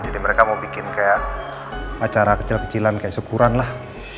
jadi mereka mau bikin kayak acara kecil kecilan kayak syukuran lah